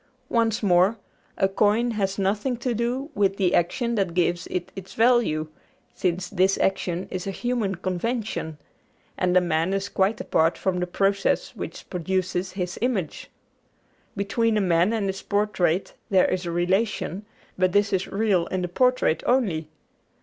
Once more, a coin has nothing to do with the action that gives it its value, since this action is a human convention; and a man is quite apart from the process which produces his image. Between a man and his portrait there is a relation, but this is real in the portrait only.